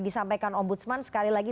disampaikan om budsman sekali lagi